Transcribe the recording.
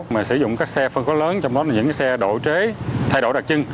mình sử dụng các xe phân khối lớn trong đó là những xe độ trế thay đổi đặc trưng